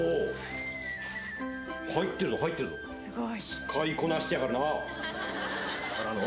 使いこなしてやがるな。からの。